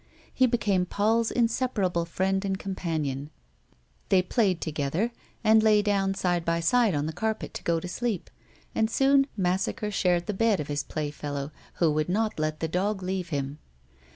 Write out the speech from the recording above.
He be came Paul's inseparable friend and companion ; they played together, and lay down side by side on the carpet to go to sleep, and soon Massacre shared the bed of his playfellow, who would not let the dog leave him.